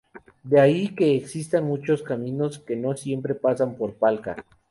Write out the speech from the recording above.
De ahí que existan muchos caminos que no siempre pasan por Palca.